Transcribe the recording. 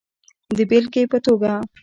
د بیلګی په توکه